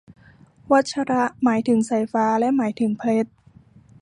วัชระ หมายถึงสายฟ้า และหมายถึงเพชร